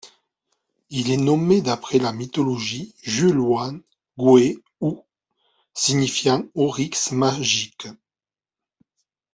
Il est nommé d'après la mythologie juǀʼhoan, Gǃò'é ǃHú signifiant oryx magique.